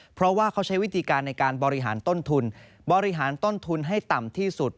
เพราะว่าเขาใช้วิธีการในการบริหารต้นทุนบริหารต้นทุนให้ต่ำที่สุด